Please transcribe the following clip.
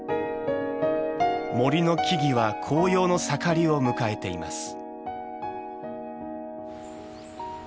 森の木々は紅葉の盛りを迎えています。